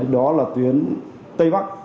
đó là tuyến tây bắc